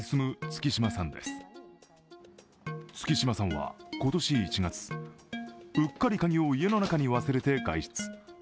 月島さんは、今年１月、うっかり鍵を家の中に忘れて外出。